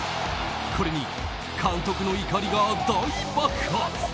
これに監督の怒りが大爆発。